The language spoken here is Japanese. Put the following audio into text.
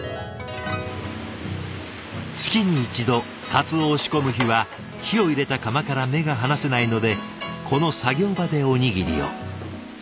月に１度鰹を仕込む日は火を入れた釜から目が離せないのでこの作業場でおにぎりを。